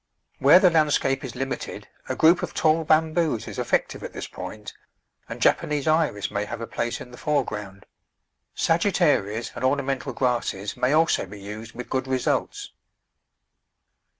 Where the landscape is limited, a group of tall Bamboos is effective at this point, and Japanese Iris may have a place in the foreground; Sagittarias and ornamental grasses may also be used with good results.